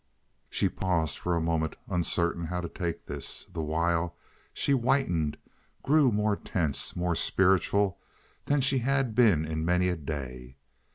She paused for a moment, uncertain how to take this, the while she whitened, grew more tense, more spiritual than she had been in many a day.